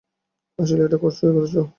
আসলেই এটা করেছো?